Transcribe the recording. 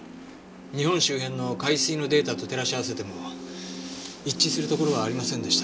日本周辺の海水のデータと照らし合わせても一致するところはありませんでした。